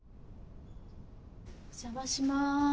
お邪魔します。